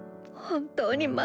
本当に！